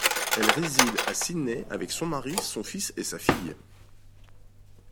Elle réside à Sydney avec son mari, son fils et sa fille.